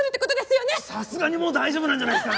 さすがにもう大丈夫なんじゃないっすか？